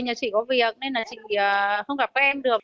nhà chị có việc nên là chị không gặp các em được